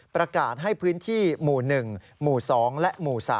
ประกาศให้พื้นที่หมู่๑หมู่๒และหมู่๓